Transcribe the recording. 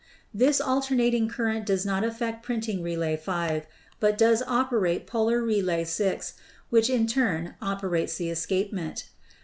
This alternating current does not affect printing relay 5, but does operate polar relay 6, which in turn operates the escapement.